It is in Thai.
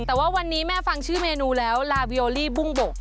แต่ว่าวันนี้แม่ฟังชื่อเมนูแล้วลาวิโอลี่บุ้งบก